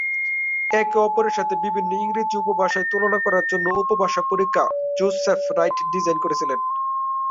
একে অপরের সাথে বিভিন্ন ইংরেজি উপভাষার তুলনা করার জন্য উপভাষা পরীক্ষা জোসেফ রাইট ডিজাইন করেছিলেন।